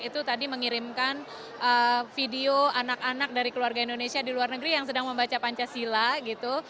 itu tadi mengirimkan video anak anak dari keluarga indonesia di luar negeri yang sedang membaca pancasila gitu